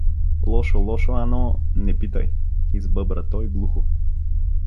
— Лошо, лошо, Ано, не питай… — избъбра той глухо.